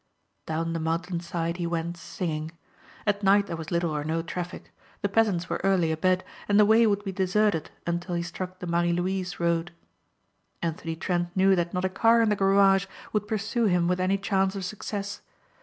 Down the mountain side he went singing. At night there was little or no traffic. The peasants were early abed and the way would be deserted until he struck the Marie Louise road. Anthony Trent knew that not a car in the garage would pursue him with any chance of success.